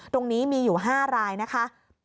ตรงนี้มีอยู่๕รายนะคะ